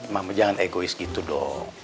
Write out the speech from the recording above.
mama jangan egois gitu dong